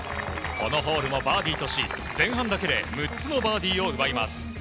このホールもバーディーとし前半だけで６つのバーディーを奪います。